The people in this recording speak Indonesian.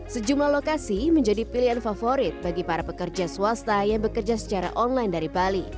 sejumlah lokasi menjadi pilihan favorit bagi para pekerja swasta yang bekerja secara online dari bali